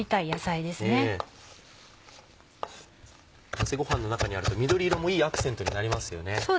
混ぜごはんの中にあると緑色もいいアクセントになりますよね。